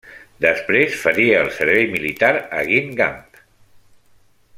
Després faria el servei militar a Guingamp.